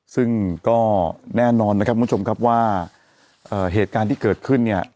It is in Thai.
ซึ่งก็แน่นอนนะครับคุณผู้ชมครับว่าเหตุการณ์ที่เกิดขึ้นเนี่ย